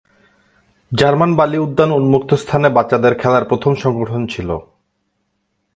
German বালি উদ্যান উন্মুক্ত স্থানে বাচ্চাদের খেলার প্রথম সংগঠন ছিল।